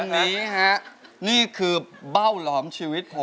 วันนี้ฮะนี่คือเบ้าหลอมชีวิตผม